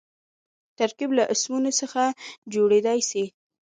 ترکیب له اسمونو څخه جوړېدای سي.